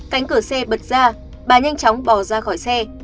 cánh cửa xe bật ra bà nhanh chóng bỏ ra khỏi xe